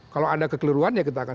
kalau ada kekeliruan ya kita akan